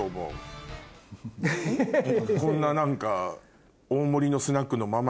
こんな何か。